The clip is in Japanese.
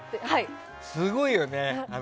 すごいよね、あれ。